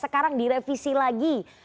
sekarang direvisi lagi